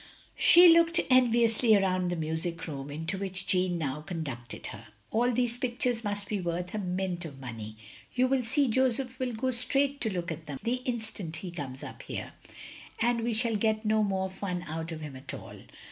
" She looked enviotisly round the mtisic room, into which Jeanne now conducted her. "All these pictures must be worth a mint of money. You will see, Joseph will go straight to look at them the instant he comes up here, and we shall get no more fun out of him at all.